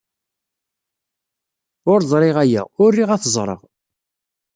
Ur ẓriɣ aya, ur riɣ ad t-ẓreɣ.